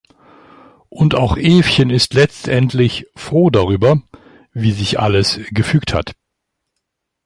Und auch Evchen ist letztendlich froh darüber, wie sich alles gefügt hat.